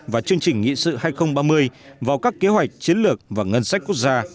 và chương trình nghị sự hai nghìn ba mươi vào các kế hoạch chiến lược và ngân sách quốc gia